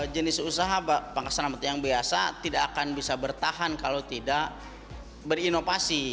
jenis usaha pangkas rambut yang biasa tidak akan bisa bertahan kalau tidak berinovasi